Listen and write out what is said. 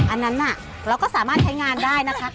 อันนั้นน่ะเราก็สามารถใช้งานได้นะคะ